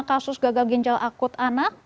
kasus gagal ginjal akut anak